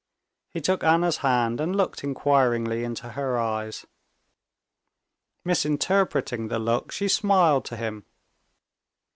He took Anna's hand and looked inquiringly into her eyes. Misinterpreting the look, she smiled to him.